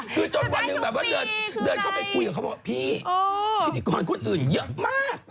คือจนวันหนึ่งแบบว่าเดินเข้าไปคุยกับเขาบอกพี่พิธีกรคนอื่นเยอะมาก